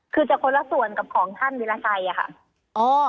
คือจะคนละส่วนกับของท่านวิราชัยอะค่ะ